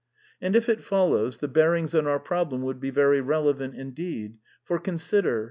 And if it follows, the bearings on our problem would be very relevant indeed. For, consider.